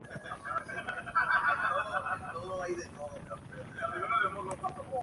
Alrededor de este templo, poco a poco se fue creando el núcleo urbano.